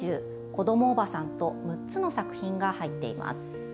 「子供おばさん」と６つの作品が入っています。